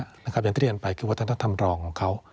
อย่างที่เรียนไปคือวัฒนธรรมรองของเขา